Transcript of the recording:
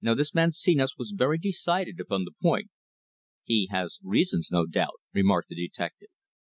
This man Senos was very decided upon the point." "He has reasons, no doubt," remarked the detective.